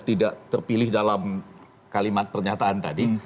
tidak terpilih dalam kalimat pernyataan tadi